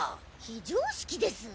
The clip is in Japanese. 非常識です！